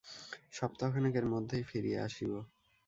সপ্তাহখানেকের মধ্যেই ফিরিয়া আসিব।